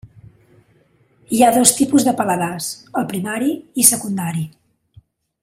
Hi ha dos tipus de paladars: el primari i secundari.